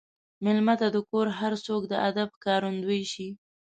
مېلمه ته د کور هر څوک د ادب ښکارندوي شي.